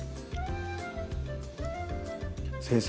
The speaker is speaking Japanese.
先生